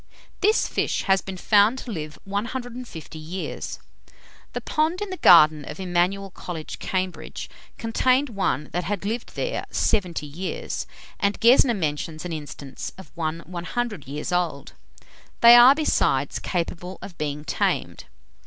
This fish has been found to live 150 years. The pond in the garden of Emmanuel College, Cambridge, contained one that had lived there 70 years, and Gesner mentions an instance of one 100 years old. They are, besides, capable of being tamed.